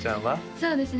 そうですね